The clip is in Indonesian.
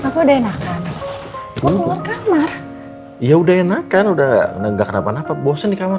pak apa udah enakan gua keluar kamar ya udah enakan udah nggak kenapa kenapa bosen di kamar